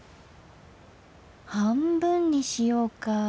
半分にしようか。